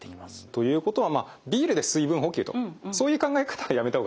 ということはビールで水分補給とそういう考え方はやめた方がいいと。